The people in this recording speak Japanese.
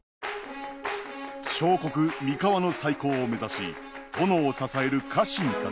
小国三河の再興を目指し殿を支える家臣たち。